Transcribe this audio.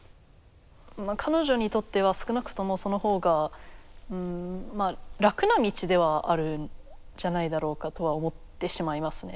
彼女にとっては少なくともその方がまあ楽な道ではあるんじゃないだろうかとは思ってしまいますね。